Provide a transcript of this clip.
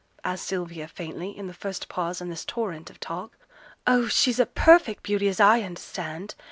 asked Sylvia, faintly, in the first pause in this torrent of talk. 'Oh! she's a perfect beauty, as I understand.